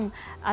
atau di luar